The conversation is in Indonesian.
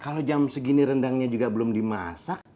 kalau jam segini rendangnya juga belum dimasak